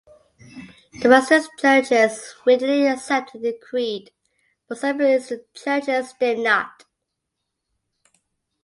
The western churches readily accepted the creed, but some eastern churches did not.